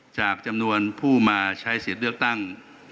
จำนวนผู้มาใช้สิทธิ์เลือกตั้ง